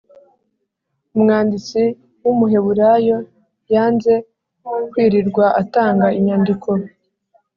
umwanditsi w Umuheburayo yanze kwirirwa atanga inyandiko